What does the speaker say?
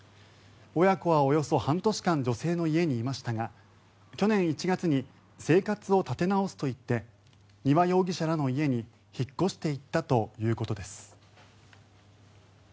親子はおよそ半年間女性の家にいましたが去年１月に生活を立て直すと言って丹羽容疑者らの家に引っ越していったということです。